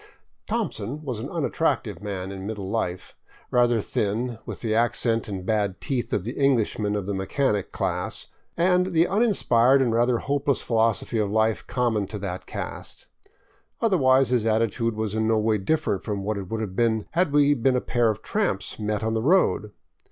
"Thompson" was an unattractive man in middle life, rather thin, with the accent and bad teeth of the Englishman of the mechanic class, and the uninspired and rather hopeless philosophy of life com mon to that caste. Otherwise his attitude was in no way different from what it would have been had we been a pair of tramps met on the road.